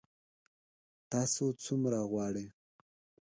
تاسو څومره غواړئ؟